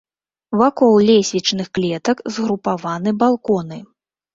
Вакол лесвічных клетак згрупаваны балконы.